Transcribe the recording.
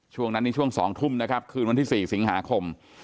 ช่วงนั้นนี่ช่วง๒ทุ่มนะครับคืนวันที่๔สิงหาคม